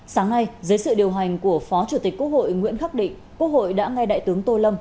sáng nay dưới sự điều hành của phó chủ tịch quốc hội nguyễn khắc định quốc hội đã nghe đại tướng tô lâm